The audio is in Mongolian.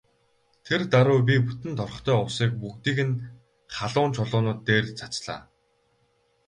Тэр даруй би бүтэн торхтой усыг бүгдийг нь халуун чулуунууд дээр цацлаа.